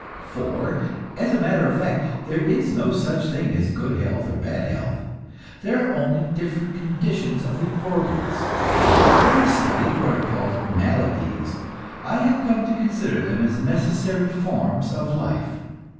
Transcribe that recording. For, as a matter of fact, there is no such thing as good health or bad health. There are only different conditions of the organs. Having studied what are called maladies, I have come to consider them as necessary forms of life.